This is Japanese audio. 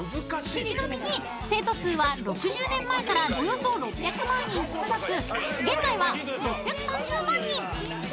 ［ちなみに生徒数は６０年前からおよそ６００万人少なく現在は６３０万人］